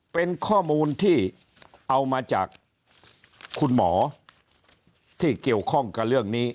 เป็นข้อมูลที่เอามาจากคุณหมอที่เกี่ยวข้องกับเรื่องนี้